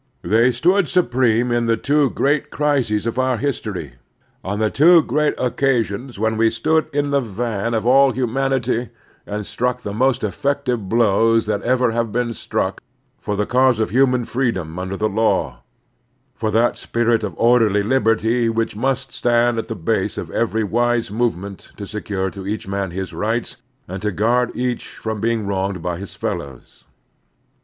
They stood supreme in the two great crises of otir history, on the two great occasions 200 The Strenuous Life when we stood in the van of all humanity and struck the most effective blows that have ever been struck for the cause of htmian freedom tmder the law, for that spirit of orderly liberty which mtist stand at the base of every wise movement to secure to each man his rights, and to guard each from being wronged by his fellows.